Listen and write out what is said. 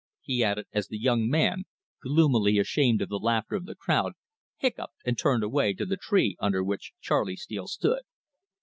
he added, as the young man, gloomily ashamed of the laughter of the crowd, hiccoughed and turned away to the tree under which Charley Steele stood.